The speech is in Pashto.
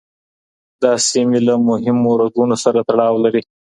دا سیمې له مهمو رګونو سره تړاو لري.